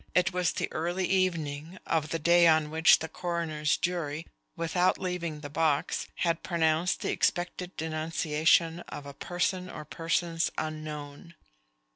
It was the early evening of the day on which the coroner's jury, without leaving the box, had pronounced the expected denunciation of a person or persons unknown.